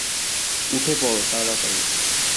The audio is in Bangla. উঠে পড়ো, তাড়াতাড়ি।